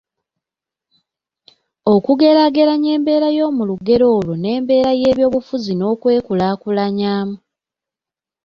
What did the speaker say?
okugeraageranya embeera y’omu lugero olwo n’embeera y’ebyobufuzi n’okwekulaakulanya mu